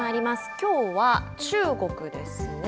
きょうは中国ですね。